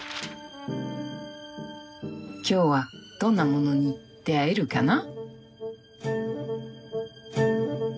今日はどんなものに出会えるかな。